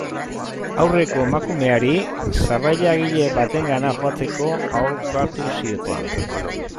Aurreko emakumeari, sarrailagile batengana jotzeko aholkatu zioten.